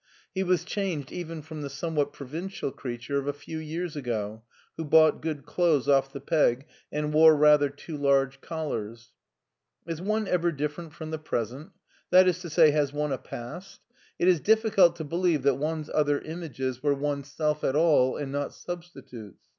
He was changed even from the somewhat provincial creature of a few years ago, who bought good clothes off the peg and wore rather too large collars. Is one ever different from the present; that is to say, has one a past ? It is difficult to believe that one's other images were oneself at all and not substitutes.